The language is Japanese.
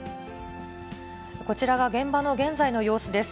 こちらが現場の現在の様子です。